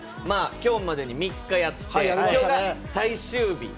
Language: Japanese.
今日までに３日やって今日が最終日。